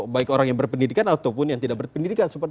baik orang yang berpendidikan ataupun yang tidak berpendidikan